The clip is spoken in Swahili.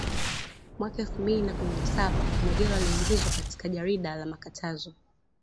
Mwaka elfu mbili na kumi na saba Mwegelo aliingizwa katika jarida la makatazo